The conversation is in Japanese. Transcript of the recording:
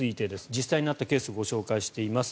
実際にあったケースをご紹介しています。